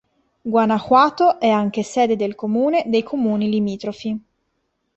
Guanajuato è anche sede del comune dei comuni limitrofi.